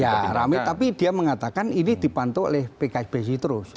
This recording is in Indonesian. ya rame tapi dia mengatakan ini dipantau oleh pkb terus